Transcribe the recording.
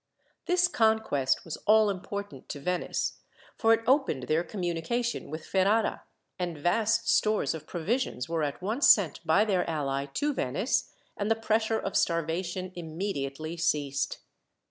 This conquest was all important to Venice, for it opened their communication with Ferrara, and vast stores of provisions were at once sent by their ally to Venice, and the pressure of starvation immediately ceased.